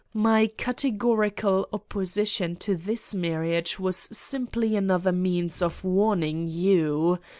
... My categorical opposition to this marriage was simply another means of warning you.